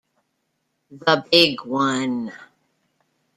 The Big One.